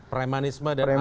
premanisme dan anakisme